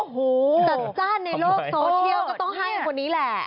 โอ้โหจัดจ้านในโลกโซเชียลก็ต้องให้คนนี้แหละ